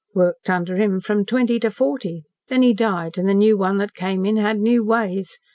Worked under him from twenty to forty. Then he died an' the new one that came in had new ways.